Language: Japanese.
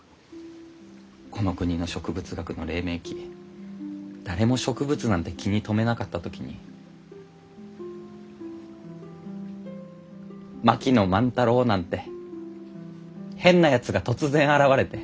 この国の植物学の黎明期誰も植物なんて気に留めなかった時に槙野万太郎なんて変なやつが突然現れて。